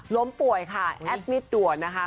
ล้มป่วยค่ะแอดมิตด่วนนะคะ